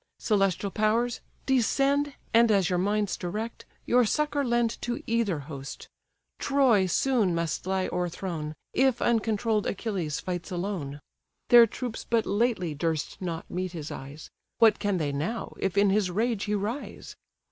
Celestial powers! descend, And as your minds direct, your succour lend To either host. Troy soon must lie o'erthrown, If uncontroll'd Achilles fights alone: Their troops but lately durst not meet his eyes; What can they now, if in his rage he rise?